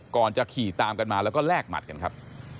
ก่อนจะขี่ตามกันมาแล้วก็แลกหมัดกันครับ